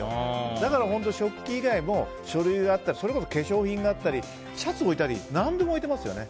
だから食器以外も書類があったりそれこそ化粧品があったりシャツ置いたり何でも置いてますよね。